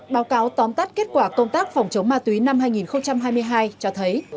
báo cáo tóm tắt kết quả công tác phòng chống ma túy năm hai nghìn hai mươi hai cho thấy